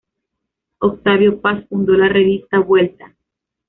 Octavio Paz fundó la revista "Vuelta".